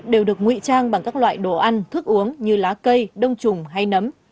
đều được nguy trang bằng các loại đồ ăn thức uống như lá cây đông trùng hay nấm